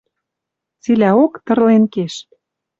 Цилӓок тырлен кеш.